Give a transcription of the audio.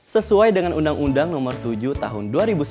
sesuai dengan undang undang nomor tujuh tahun dua ribu sembilan